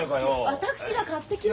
私が買ってきますよ。